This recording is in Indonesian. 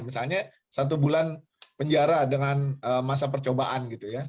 misalnya satu bulan penjara dengan masa percobaan gitu ya